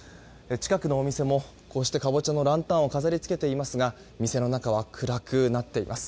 近くのお店もこうしてカボチャのランタンを飾り付けていますが店の中は暗くなっています。